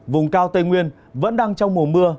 vùng cao tây nguyên vẫn đang trong mùa mưa